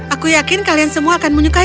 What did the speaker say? aku yakin kalian semua akan menyukai